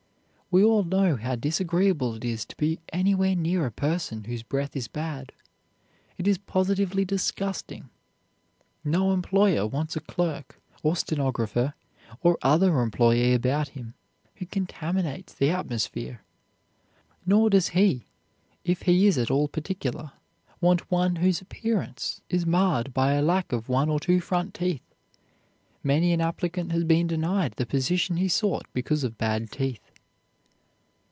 We all know how disagreeable it is to be anywhere near a person whose breath is bad. It is positively disgusting. No employer wants a clerk, or stenographer, or other employee about him who contaminates the atmosphere. Nor does he, if he is at all particular, want one whose appearance is marred by a lack of one or two front teeth. Many an applicant has been denied the position he sought because of bad teeth.